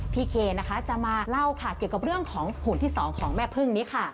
เคนะคะจะมาเล่าค่ะเกี่ยวกับเรื่องของหุ่นที่สองของแม่พึ่งนี้ค่ะ